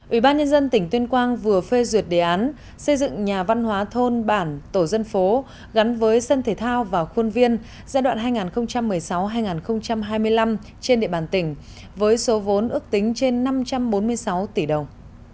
ủy ban nhân dân tỉnh tuyên quang vừa phê duyệt đề án xây dựng nhà văn hóa thôn bản tổ dân phố gắn với sân thể thao và khuôn viên giai đoạn hai nghìn một mươi sáu hai nghìn hai mươi năm trên địa bàn tỉnh với số vốn ước tính trên năm trăm bốn mươi sáu tỷ đồng